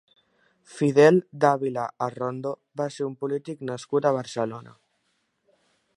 Fidel Dávila Arrondo va ser un polític nascut a Barcelona.